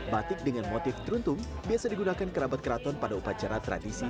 batik dengan motif teruntung biasa digunakan kerabat keraton pada upacara tradisi